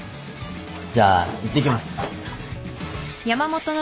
じゃあいってきます。